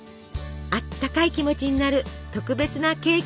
あったかい気持ちになる特別なケーキなのです。